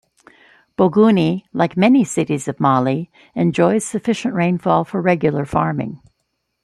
Bougouni, like many cities of Mali, enjoys sufficient rainfall for regular farming.